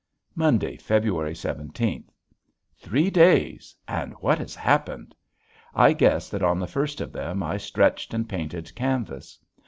Monday, February seventeenth. Three days! and what has happened? I guess that on the first of them I stretched and painted canvas.